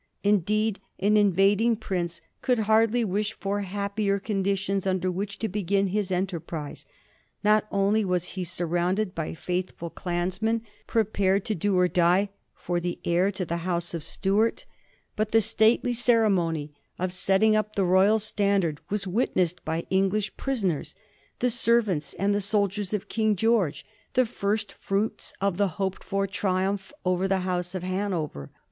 Indeed, an invading prince could hardly wish for happier conditions under which to begin his enterprise. Not only was he surrounded by faithful clansmen, prepared to do or die for the heir to the House of Stuart, but the 1745, AN AUSPICIOUS OPENING. 207 Stately ceremony of setting up the royal standard was witnessed by English prisoners^ the servants and the sol diers of King George, the first fruits of the hoped for triumph over the House of Hanover.